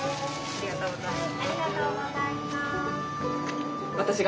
ありがとうございます。